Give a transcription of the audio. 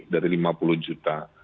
dari lima puluh juta